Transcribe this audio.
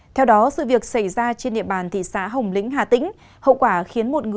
theo đó sự việc xảy ra trên địa bàn thị xã hồng lĩnh hà tĩnh